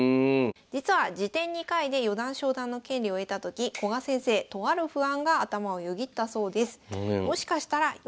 実は次点２回で四段昇段の権利を得た時古賀先生とある不安が頭をよぎったそうです。